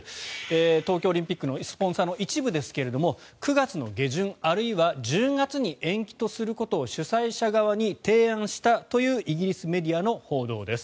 東京オリンピックのスポンサーの一部ですが９月の下旬、あるいは１０月に延期とすることを主催者側に提案したというイギリスメディアの報道です。